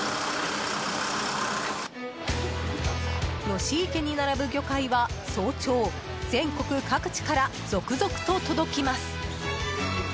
吉池に並ぶ魚介は早朝全国各地から続々と届きます。